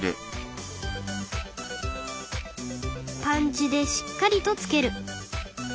パンチでしっかりと付ける。